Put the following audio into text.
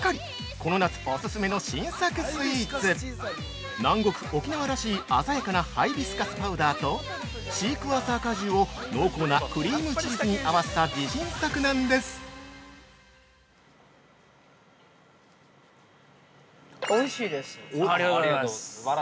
この夏オススメの新作スイーツ南国沖縄らしい鮮やかなハイビスカスパウダーと、シークワーサー果汁を濃厚なクリームチーズに合わせた自信作なんです◆おいしいです。